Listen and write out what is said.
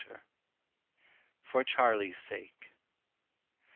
FOR CHARLIE'S SAKE.